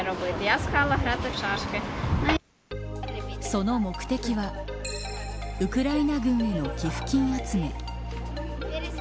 その目的はウクライナ軍への寄付金集め。